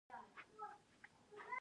ښار باید پاک وي